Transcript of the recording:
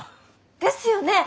ですよね？